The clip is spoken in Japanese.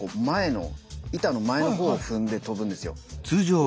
前の板の前の方を踏んで跳ぶんですよ。